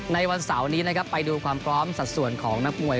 ในวันเสาร์นี้นะครับไปดูความพร้อมสัดส่วนของนักมวย